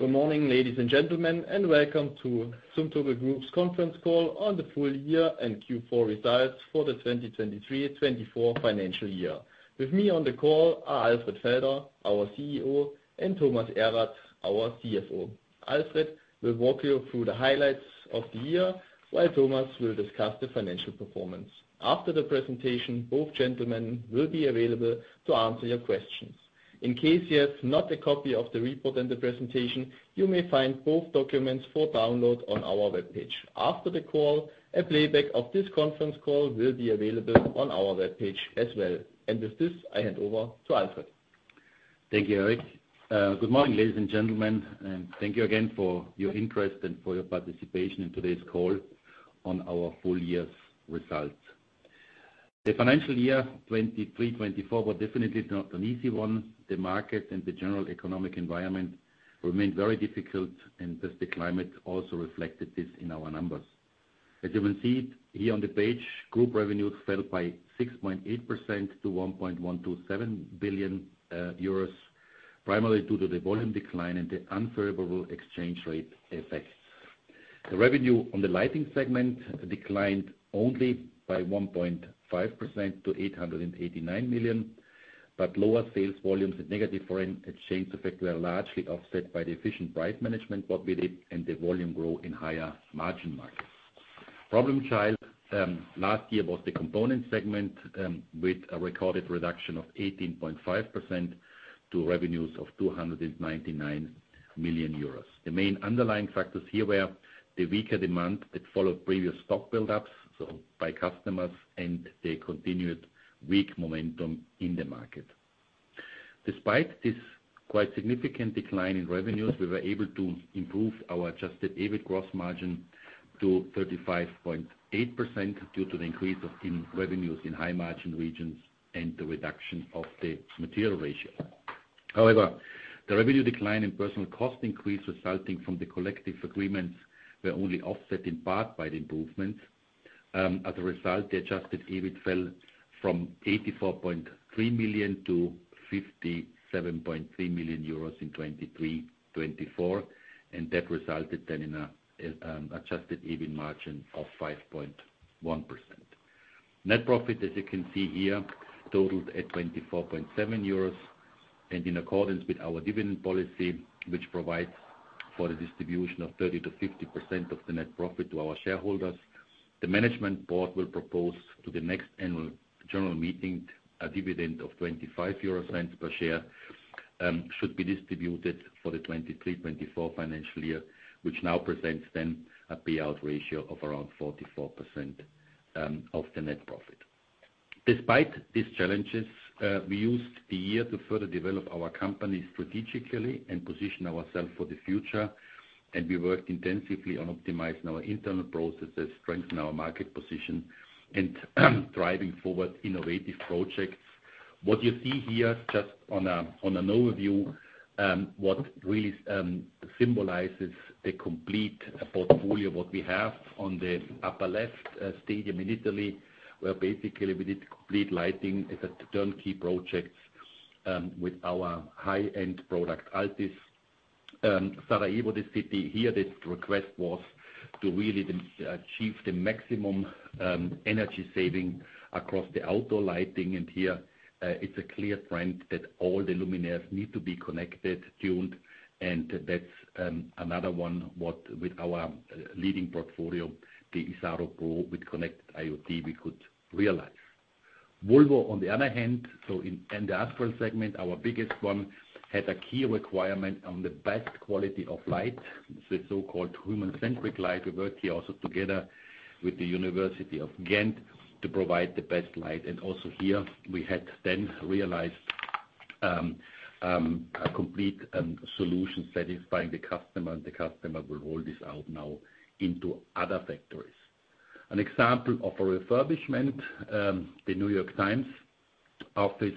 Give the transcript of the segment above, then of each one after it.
Good morning, ladies and gentlemen, and welcome to Zumtobel Group's conference call on the full year and Q4 results for the 2023-2024 financial year. With me on the call are Alfred Felder, our CEO, and Thomas Erath, our CFO. Alfred will walk you through the highlights of the year, while Thomas will discuss the financial performance. After the presentation, both gentlemen will be available to answer your questions. In case you have not a copy of the report and the presentation, you may find both documents for download on our webpage. After the call, a playback of this conference call will be available on our webpage as well. With this, I hand over to Alfred. Thank you, Eric. Good morning, ladies and gentlemen, and thank you again for your interest and for your participation in today's call on our full-year's results. The financial year 2023-2024 was definitely not an easy one. The market and the general economic environment remained very difficult, and the climate also reflected this in our numbers. As you can see here on the page, group revenues fell by 6.8% to 1.127 billion euros, primarily due to the volume decline and the unfavorable exchange rate effects. The revenue on the lighting segment declined only by 1.5% to 889 million, but lower sales volumes and negative foreign exchange effects were largely offset by the efficient price management, what we did, and the volume growth in higher margin markets. Problem child last year was the component segment with a recorded reduction of 18.5% to revenues of 299 million euros. The main underlying factors here were the weaker demand that followed previous stock buildups, so by customers, and the continued weak momentum in the market. Despite this quite significant decline in revenues, we were able to improve our adjusted EBIT gross margin to 35.8% due to the increase in revenues in high margin regions and the reduction of the material ratio. However, the revenue decline and personnel cost increase resulting from the collective agreements were only offset in part by the improvements. As a result, the adjusted EBIT fell from 84.3 million to 57.3 million euros in 2023-2024, and that resulted then in an adjusted EBIT margin of 5.1%. Net profit, as you can see here, totaled 24.7 euros, and in accordance with our dividend policy, which provides for the distribution of 30%-50% of the net profit to our shareholders, the management board will propose to the next annual general meeting a dividend of 0.25 per share should be distributed for the 2023-2024 financial year, which now presents then a payout ratio of around 44% of the net profit. Despite these challenges, we used the year to further develop our company strategically and position ourselves for the future, and we worked intensively on optimizing our internal processes, strengthening our market position, and driving forward innovative projects. What you see here just on an overview, what really symbolizes the complete portfolio what we have on the upper left stadium in Italy, where basically we did complete lighting as a turnkey project with our high-end product Altis. Sarajevo, the city here, this request was to really achieve the maximum energy saving across the outdoor lighting, and here it's a clear trend that all the luminaires need to be connected, tuned, and that's another one what with our leading portfolio, the Isaro Pro with connected IoT, we could realize. Volvo, on the other hand, so in the actual segment, our biggest one had a key requirement on the best quality of light, the so-called human-centric light. We worked here also together with the University of Ghent to provide the best light, and also here we had then realized a complete solution satisfying the customer, and the customer will roll this out now into other factories. An example of a refurbishment, The New York Times office,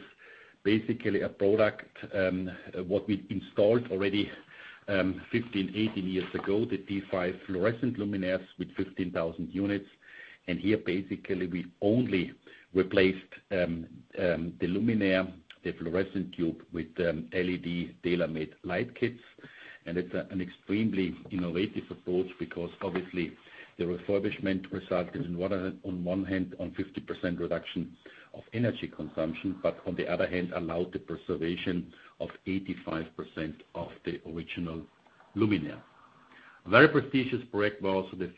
basically a product what we installed already 15, 18 years ago, the T5 fluorescent luminaires with 15,000 units, and here basically we only replaced the luminaire, the fluorescent tube with LED tailor-made light kits, and it's an extremely innovative approach because obviously the refurbishment resulted in, on one hand, on 50% reduction of energy consumption, but on the other hand, allowed the preservation of 85% of the original luminaires. A very prestigious project was the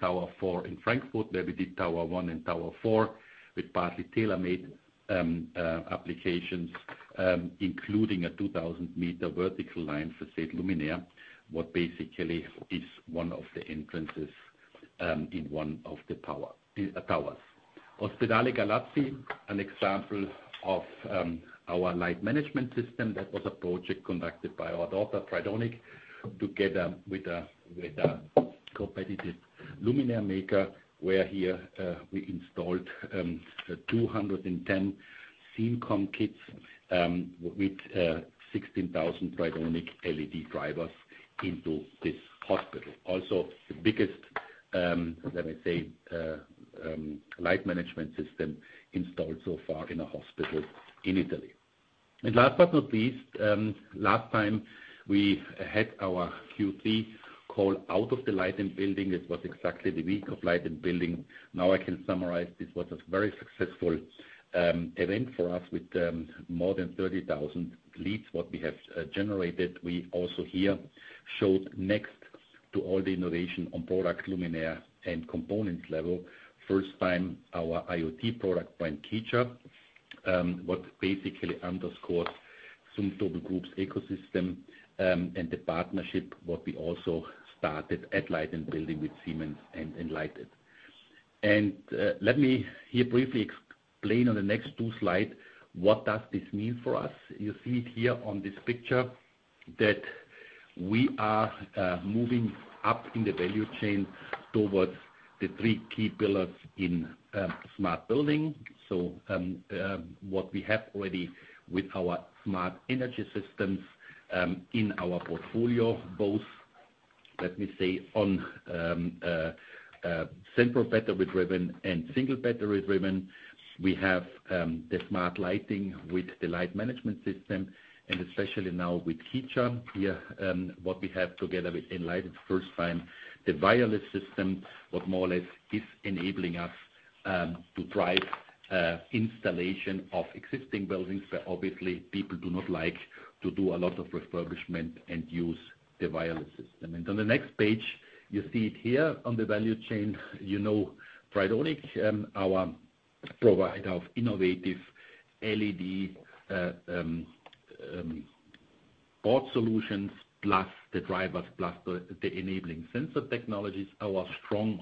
Tower 4 in Frankfurt, where we did Tower 1 and Tower 4 with partly tailor-made applications, including a 2,000-meter vertical line facade luminaire, what basically is one of the entrances in one of the towers. Ospedale Galeazzi, an example of our light management system, that was a project conducted by our daughter Tridonic together with a competitive luminaire maker, where here we installed 210 sceneCOM kits with 16,000 Tridonic LED drivers into this hospital. Also, the biggest, let me say, light management system installed so far in a hospital in Italy. Last but not least, last time we had our Q3 call out of the Light + Building, it was exactly the week of l Light + Building,. Now I can summarize this was a very successful event for us with more than 30,000 leads what we have generated. We also here showed next to all the innovation on product, luminaire, and components level, first time our IoT product brand Keyture, what basically underscores Zumtobel Group's ecosystem and the partnership what we also started at Light + Building with Siemens and Enlighted. Let me here briefly explain on the next two slides what does this mean for us. You see it here on this picture that we are moving up in the value chain towards the three key pillars in smart building. So what we have already with our smart energy systems in our portfolio, both, let me say, on central battery driven and single battery driven, we have the smart lighting with the light management system, and especially now with Keyture here what we have together with Enlighted, first time the wireless system what more or less is enabling us to drive installation of existing buildings where obviously people do not like to do a lot of refurbishment and use the wireless system. On the next page, you see it here on the value chain, you know, Tridonic, our provider of innovative LED board solutions plus the drivers plus the enabling sensor technologies, our strong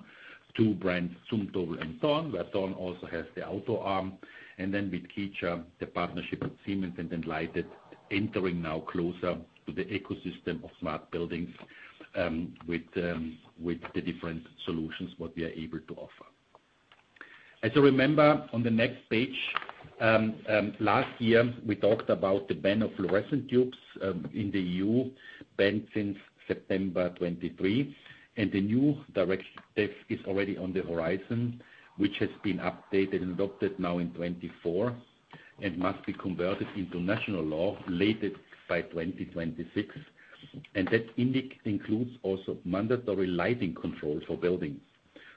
two brands, Zumtobel and Thorn, where Thorn also has the outdoor arm, and then with Keyture, the partnership with Siemens and Enlighted entering now closer to the ecosystem of smart buildings with the different solutions what we are able to offer. As you remember, on the next page, last year we talked about the ban of fluorescent tubes in the EU, banned since September 23, and the new directive is already on the horizon, which has been updated and adopted now in 2024 and must be converted into national law later by 2026, and that includes also mandatory lighting control for buildings.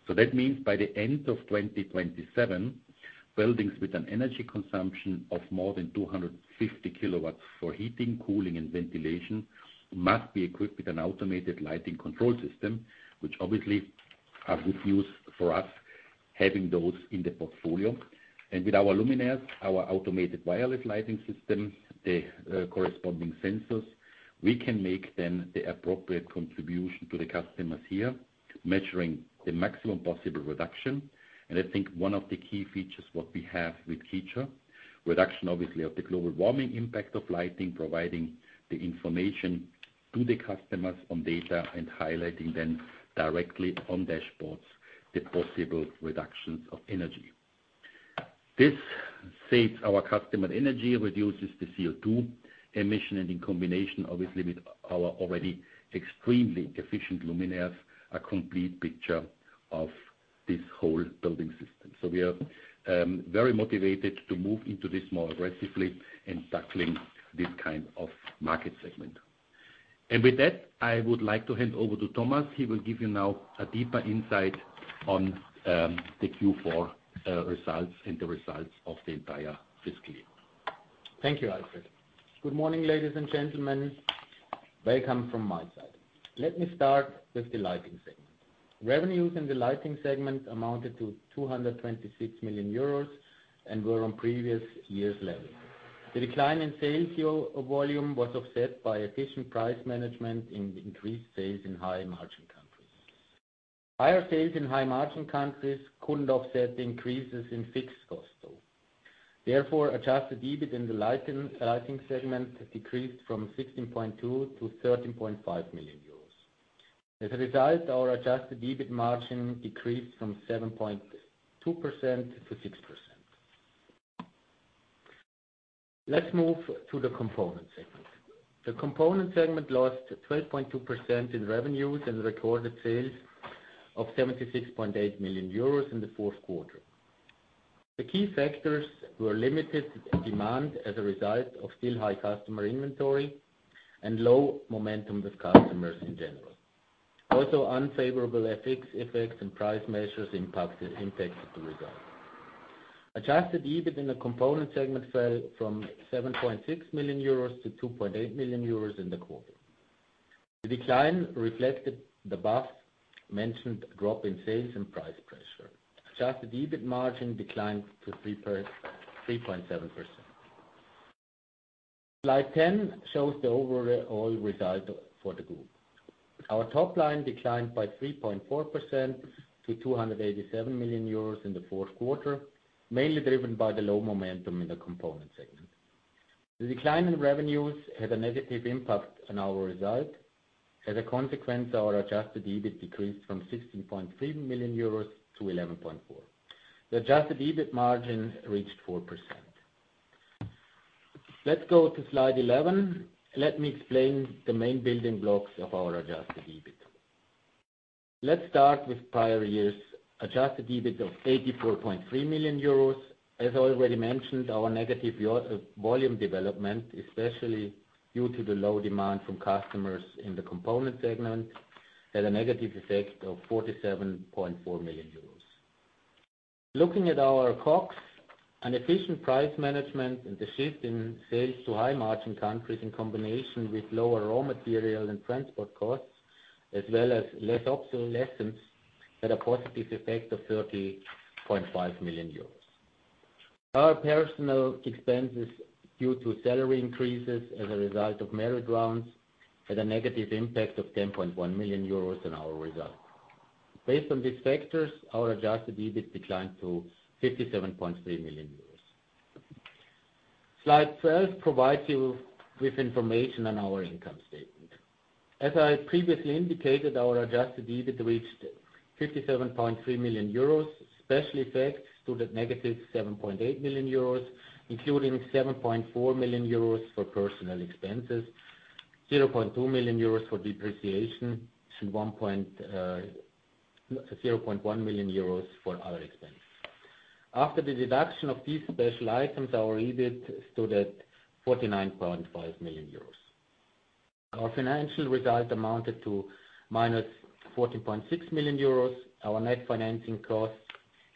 So that means by the end of 2027, buildings with an energy consumption of more than 250 kW for heating, cooling, and ventilation must be equipped with an automated lighting control system, which obviously is of good use for us having those in the portfolio. With our luminaires, our automated wireless lighting system, the corresponding sensors, we can make then the appropriate contribution to the customers here, measuring the maximum possible reduction, and I think one of the key features what we have with Keyture, reduction obviously of the global warming impact of lighting, providing the information to the customers on data and highlighting then directly on dashboards the possible reductions of energy. This saves our customer energy, reduces the CO2 emission, and in combination obviously with our already extremely efficient luminaires, a complete picture of this whole building system. We are very motivated to move into this more aggressively and tackling this kind of market segment. With that, I would like to hand over to Thomas. He will give you now a deeper insight on the Q4 results and the results of the entire fiscal year. Thank you, Alfred. Good morning, ladies and gentlemen. Welcome from my side. Let me start with the lighting segment. Revenues in the lighting segment amounted to 226 million euros and were on previous year's level. The decline in sales volume was offset by efficient price management and increased sales in high-margin countries. Higher sales in high-margin countries couldn't offset the increases in fixed costs, though. Therefore, Adjusted EBIT in the lighting segment decreased from 16.2 million to 13.5 million euros. As a result, our Adjusted EBIT margin decreased from 7.2% to 6%. Let's move to the component segment. The component segment lost 12.2% in revenues and recorded sales of 76.8 million euros in the fourth quarter. The key factors were limited demand as a result of still high customer inventory and low momentum with customers in general. Also, unfavorable FX effects and price measures impacted the result. Adjusted EBIT in the component segment fell from 7.6 million euros to 2.8 million euros in the quarter. The decline reflected the above-mentioned drop in sales and price pressure. Adjusted EBIT margin declined to 3.7%. Slide 10 shows the overall result for the group. Our top line declined by 3.4% to 287 million euros in the fourth quarter, mainly driven by the low momentum in the component segment. The decline in revenues had a negative impact on our result. As a consequence, our adjusted EBIT decreased from 16.3 million euros to 11.4 million. The adjusted EBIT margin reached 4%. Let's go to slide 11. Let me explain the main building blocks of our adjusted EBIT. Let's start with prior years. Adjusted EBIT of 84.3 million euros. As already mentioned, our negative volume development, especially due to the low demand from customers in the component segment, had a negative effect of 47.4 million euros. Looking at our COGS, an efficient price management and the shift in sales to high-margin countries in combination with lower raw material and transport costs, as well as less obsolescence, had a positive effect of 30.5 million euros. Our personnel expenses due to salary increases as a result of merit rounds had a negative impact of 10.1 million euros on our result. Based on these factors, our adjusted EBIT declined to 57.3 million euros. Slide 12 provides you with information on our income statement. As I previously indicated, our adjusted EBIT reached 57.3 million euros. Special effects stood at -7.8 million euros, including 7.4 million euros for personnel expenses, 0.2 million euros for depreciation, and 0.1 million euros for other expenses. After the deduction of these special items, our EBIT stood at 49.5 million euros. Our financial result amounted to minus 14.6 million euros. Our net financing costs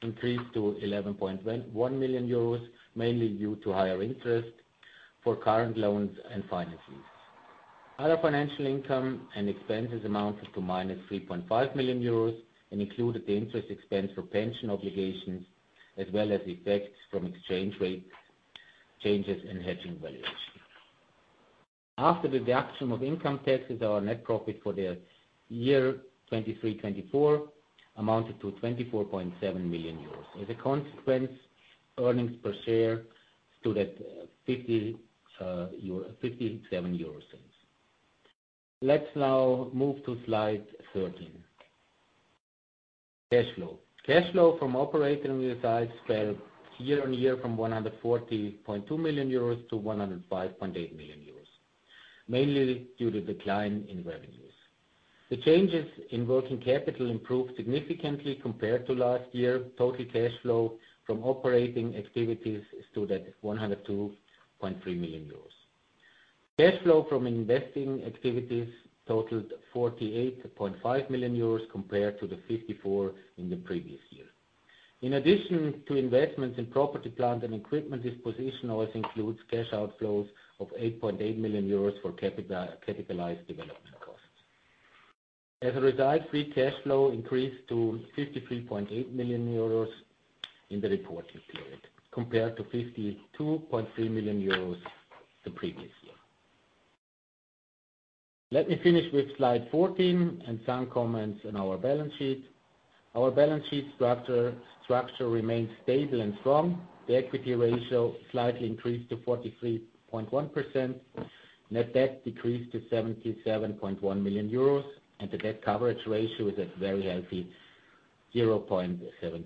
increased to 11.1 million euros, mainly due to higher interest for current loans and finance leases. Other financial income and expenses amounted to minus 3.5 million euros and included the interest expense for pension obligations, as well as effects from exchange rate changes and hedging valuation. After the deduction of income taxes, our net profit for the year 2023-2024 amounted to 24.7 million euros. As a consequence, earnings per share stood at 0.57. Let's now move to slide 13. Cash flow. Cash flow from operating results fell year-on-year from 140.2 million euros to 105.8 million euros, mainly due to decline in revenues. The changes in working capital improved significantly compared to last year. Total cash flow from operating activities stood at 102.3 million euros. Cash flow from investing activities totaled 48.5 million euros compared to the 54 million in the previous year. In addition to investments in property, plant and equipment disposition, also includes cash outflows of 8.8 million euros for capitalized development costs. As a result, free cash flow increased to 53.8 million euros in the reporting period compared to 52.3 million euros the previous year. Let me finish with slide 14 and some comments on our balance sheet. Our balance sheet structure remained stable and strong. The equity ratio slightly increased to 43.1%, net debt decreased to 77.1 million euros, and the debt coverage ratio is at very healthy 0.73.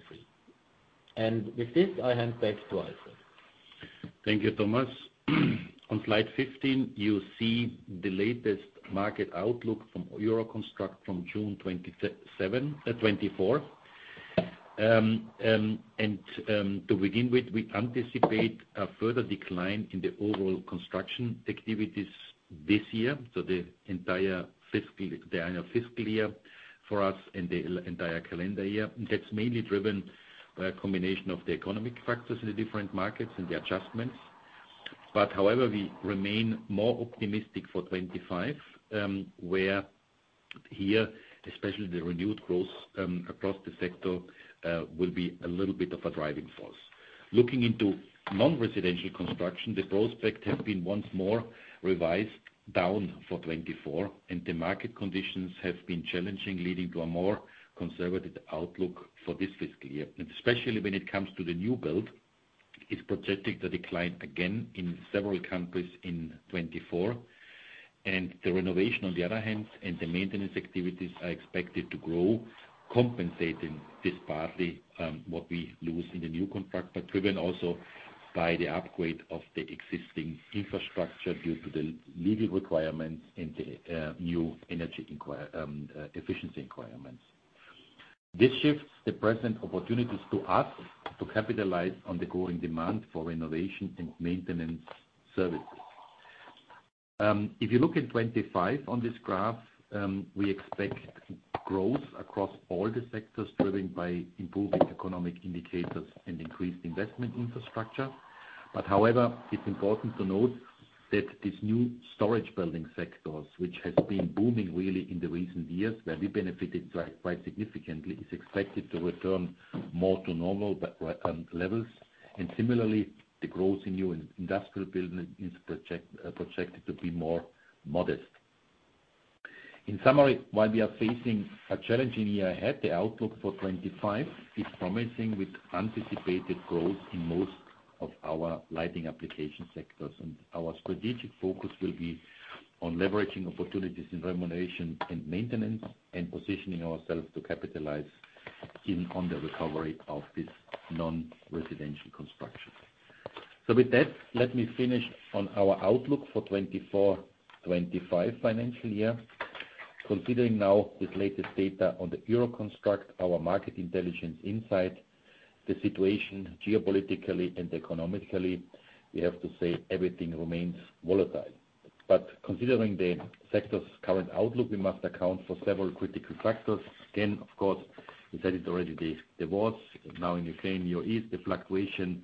With this, I hand back to Alfred. Thank you, Thomas. On slide 15, you see the latest market outlook from Euroconstruct from June 2024. To begin with, we anticipate a further decline in the overall construction activities this year, so the entire fiscal year for us and the entire calendar year. That's mainly driven by a combination of the economic factors in the different markets and the adjustments. But however, we remain more optimistic for 2025, where here, especially the renewed growth across the sector will be a little bit of a driving force. Looking into non-residential construction, the prospect has been once more revised down for 2024, and the market conditions have been challenging, leading to a more conservative outlook for this fiscal year. Especially when it comes to the new build, it's projected to decline again in several countries in 2024. The renovation, on the other hand, and the maintenance activities are expected to grow, compensating this partly what we lose in the new contract, but driven also by the upgrade of the existing infrastructure due to the legal requirements and the new energy efficiency requirements. This shifts the present opportunities to us to capitalize on the growing demand for renovation and maintenance services. If you look in 2025 on this graph, we expect growth across all the sectors driven by improving economic indicators and increased investment infrastructure. But however, it's important to note that this new storage building sector, which has been booming really in the recent years where we benefited quite significantly, is expected to return more to normal levels. Similarly, the growth in new industrial buildings is projected to be more modest. In summary, while we are facing a challenging year ahead, the outlook for 2025 is promising with anticipated growth in most of our lighting application sectors. Our strategic focus will be on leveraging opportunities in remuneration and maintenance and positioning ourselves to capitalize on the recovery of this non-residential construction. With that, let me finish on our outlook for the 2024-2025 financial year. Considering now this latest data on the Euroconstruct, our market intelligence insight, the situation geopolitically and economically, we have to say everything remains volatile. But considering the sector's current outlook, we must account for several critical factors. Again, of course, we said it already, the wars, now in Ukraine, Near East, the fluctuation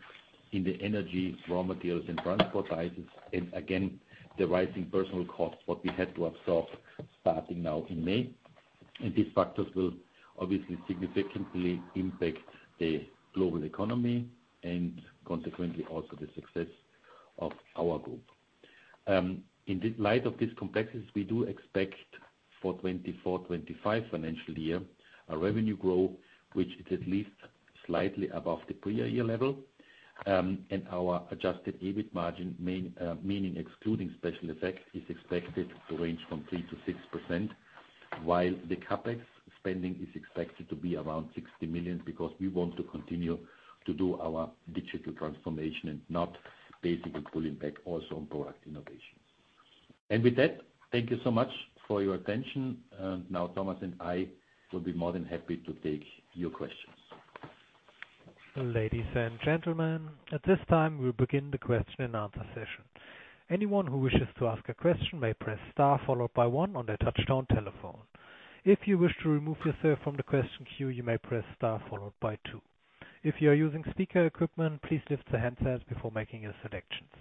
in the energy, raw materials, and transport prices, and again, the rising personnel costs, what we had to absorb starting now in May. And these factors will obviously significantly impact the global economy and consequently also the success of our group. In light of this complexity, we do expect for 2024-2025 financial year, a revenue growth, which is at least slightly above the prior year level. Our Adjusted EBIT margin, meaning excluding special effects, is expected to range from 3%-6%, while the CapEx spending is expected to be around 60 million because we want to continue to do our digital transformation and not basically pulling back also on product innovation. With that, thank you so much for your attention. Now, Thomas and I will be more than happy to take your questions. Ladies and gentlemen, at this time, we'll begin the question and answer session. Anyone who wishes to ask a question may press star followed by one on their touch-tone telephone. If you wish to remove yourself from the question queue, you may press star followed by two. If you are using speaker equipment, please lift the handset before making your selections.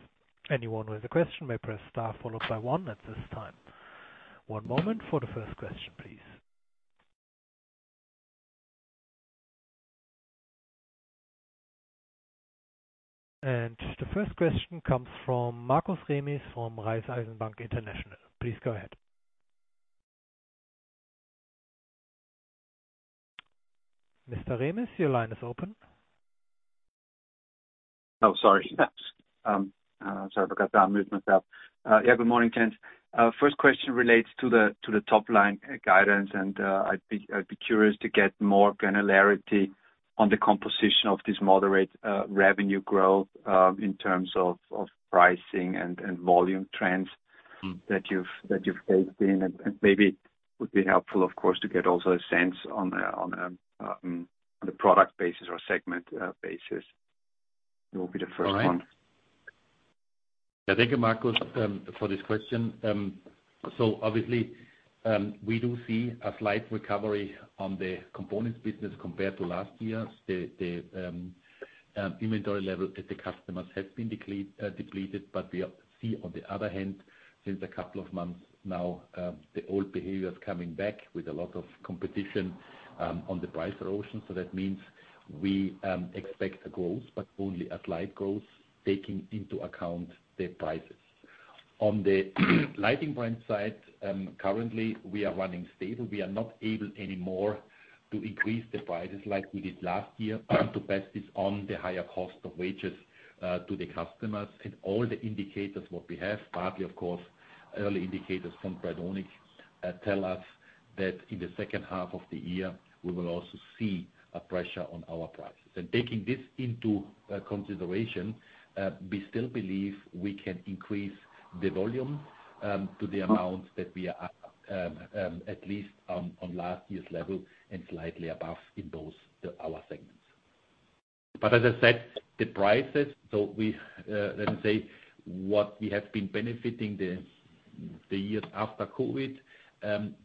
Anyone with a question may press star followed by one at this time. One moment for the first question, please. The first question comes from Markus Remis from Raiffeisen Bank International. Please go ahead. Mr. Remis, your line is open. Oh, sorry. Sorry for cutting down. Move myself. Yeah, good morning, gent. First question relates to the top line guidance, and I'd be curious to get more granularity on the composition of this moderate revenue growth in terms of pricing and volume trends that you've faced in. And maybe it would be helpful, of course, to get also a sense on the product basis or segment basis. It will be the first one. Yeah, thank you, Markus, for this question. So obviously, we do see a slight recovery on the components business compared to last year. The inventory level at the customers has been depleted, but we see, on the other hand, since a couple of months now, the old behavior is coming back with a lot of competition on the price erosion. So that means we expect a growth, but only a slight growth, taking into account the prices. On the lighting brand side, currently, we are running stable. We are not able anymore to increase the prices like we did last year to pass this on the higher cost of wages to the customers. All the indicators, what we have, partly, of course, early indicators from Tridonic tell us that in the second half of the year, we will also see a pressure on our prices. Taking this into consideration, we still believe we can increase the volume to the amount that we are at least on last year's level and slightly above in both our segments. But as I said, the prices. So let me say what we have been benefiting the years after COVID,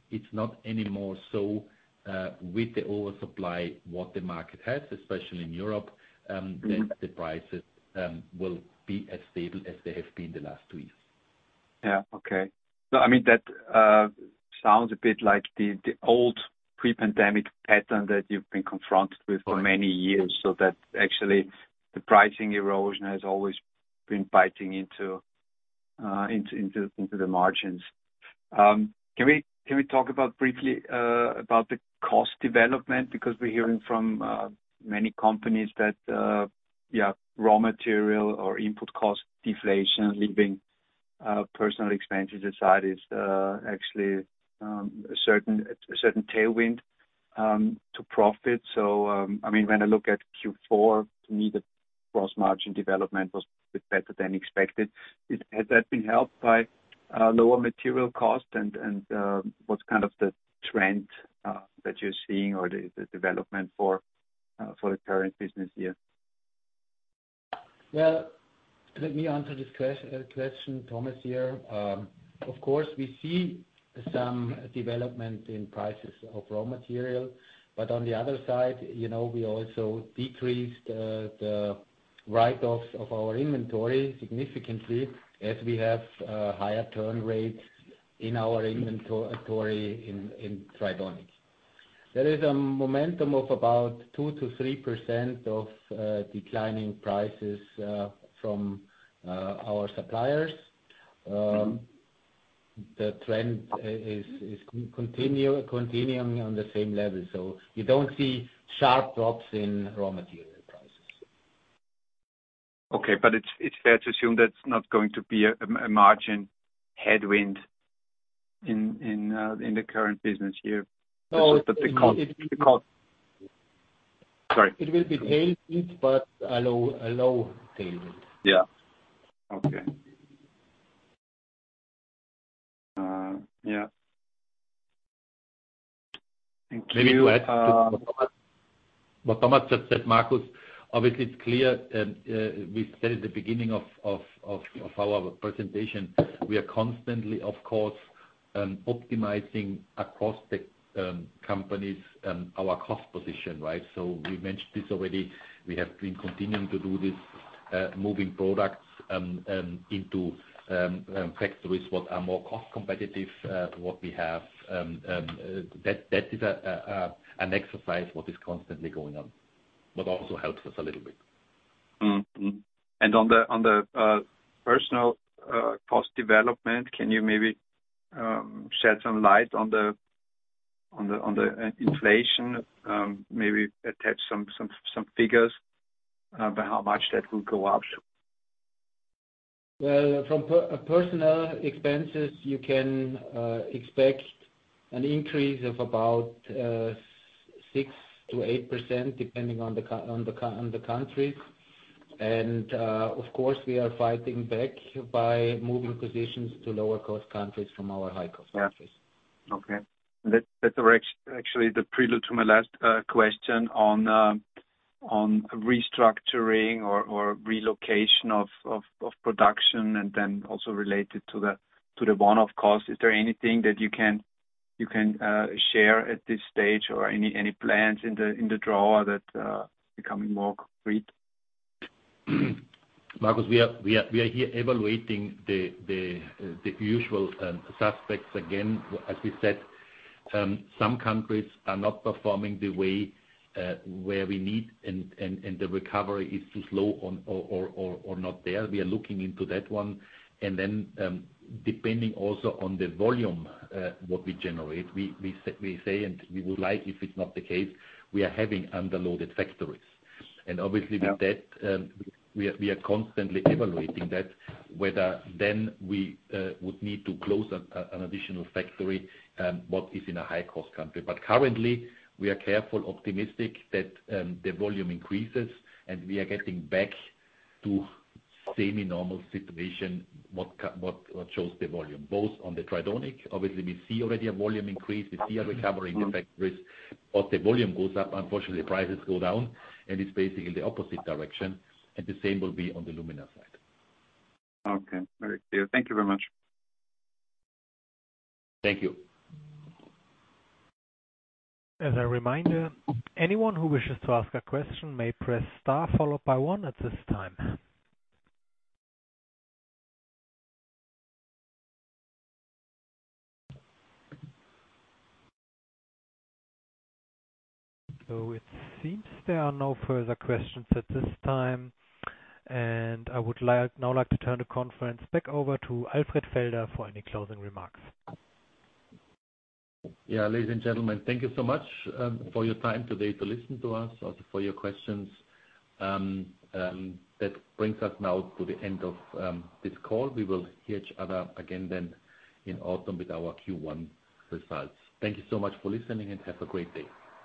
it's not anymore so with the oversupply what the market has, especially in Europe, that the prices will be as stable as they have been the last two years. Yeah, okay. So I mean, that sounds a bit like the old pre-pandemic pattern that you've been confronted with for many years. So that actually the pricing erosion has always been biting into the margins. Can we talk briefly about the cost development? Because we're hearing from many companies that, yeah, raw material or input cost deflation leaving personnel expenses aside is actually a certain tailwind to profit. So I mean, when I look at Q4, to me, the gross margin development was better than expected. Has that been helped by lower material cost? And what's kind of the trend that you're seeing or the development for the current business year? Well, let me answer this question, Thomas, here. Of course, we see some development in prices of raw material. But on the other side, we also decreased the write-offs of our inventory significantly as we have a higher turn rate in our inventory in Tridonic. There is a momentum of about 2%-3% of declining prices from our suppliers. The trend is continuing on the same level. So you don't see sharp drops in raw material prices. Okay, but it's fair to assume that's not going to be a margin headwind in the current business year. It will be tailwind, but a low tailwind. Yeah. Okay. Yeah. Maybe to add to what Thomas just said, Markus, obviously, it's clear we said at the beginning of our presentation, we are constantly, of course, optimizing across the companies our cost position, right? So we mentioned this already. We have been continuing to do this, moving products into factories that are more cost competitive, what we have. That is an exercise what is constantly going on, but also helps us a little bit. On the personnel cost development, can you maybe shed some light on the inflation, maybe attach some figures about how much that will go up? Well, from personal expenses, you can expect an increase of about 6%-8% depending on the countries. Of course, we are fighting back by moving positions to lower-cost countries from our high-cost countries. Yeah. Okay. That's actually the prelude to my last question on restructuring or relocation of production and then also related to the one-off cost. Is there anything that you can share at this stage or any plans in the drawer that are becoming more concrete? Markus, we are here evaluating the usual suspects again. As we said, some countries are not performing the way where we need, and the recovery is too slow or not there. We are looking into that one. Then depending also on the volume what we generate, we say, and we would like if it's not the case, we are having underloaded factories. And obviously, with that, we are constantly evaluating that whether then we would need to close an additional factory what is in a high-cost country. But currently, we are careful, optimistic that the volume increases, and we are getting back to semi-normal situation what shows the volume, both on the Tridonic. Obviously, we see already a volume increase. We see a recovery in the factories. But the volume goes up. Unfortunately, prices go down, and it's basically the opposite direction. The same will be on the luminaire side. Okay. Very clear. Thank you very much. Thank you. As a reminder, anyone who wishes to ask a question may press star followed by one at this time. It seems there are no further questions at this time. I would now like to turn the conference back over to Alfred Felder for any closing remarks. Yeah, ladies and gentlemen, thank you so much for your time today to listen to us, also for your questions. That brings us now to the end of this call. We will hear each other again then in autumn with our Q1 results. Thank you so much for listening and have a great day.